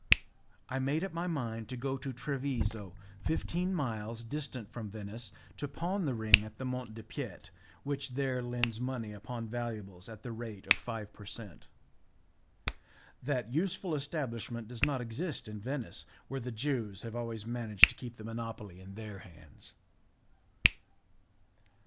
I made up my mind to go to Treviso, fifteen miles distant from Venice, to pawn the ring at the Mont de piete, which there lends money upon valuables at the rate of five per cent. That useful establishment does not exist in Venice, where the Jews have always managed to keep the monopoly in their hands.